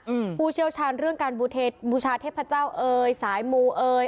ผู้เชี่ยวชาญเรื่องการบูเทศบูชาเทพเจ้าเอ่ยสายมูเอย